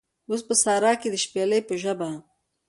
اوس په سارا کې د شپیلۍ په ژبه